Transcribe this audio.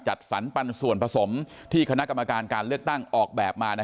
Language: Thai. จัดสรรปันส่วนผสมที่คณะกรรมการการเลือกตั้งออกแบบมา